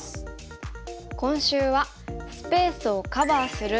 今週は「スペースをカバーする」。